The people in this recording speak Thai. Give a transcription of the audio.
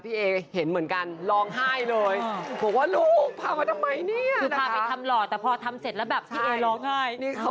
พี่เอ๋เห็นเหมือนกับกลอนไห้เลย